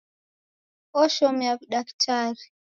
Oshomia w'udaktari.